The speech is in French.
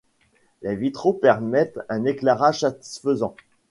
Les vitraux permettent un éclairage satisfaisant.